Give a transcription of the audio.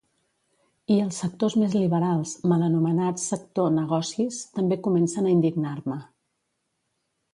I els sectors més liberals —mal anomenats sector 'negocis'— també comencen a indignar-me .